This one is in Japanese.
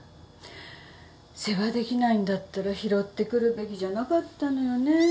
世話できないんだったら拾ってくるべきじゃなかったのよね。